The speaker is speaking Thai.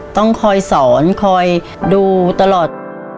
ต้องคอยสอนคอยดูตลอด